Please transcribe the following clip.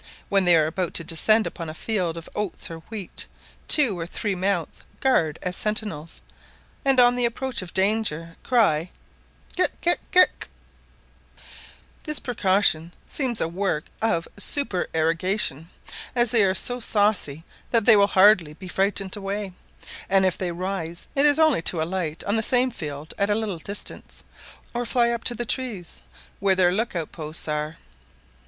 When they are about to descend upon a field of oats or wheat, two or three mount guard as sentinels, and on the approach of danger, cry Geck geck geck; this precaution seems a work of supererogation, as they are so saucy that they will hardly be frightened away; and if they rise it is only to alight on the same field at a little distance, or fly up to the trees, where their look out posts are.